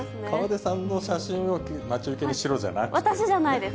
さんの写真を待ち受けにし私じゃないです。